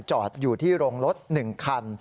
จอดอยู่ที่โรงรถ๑คัน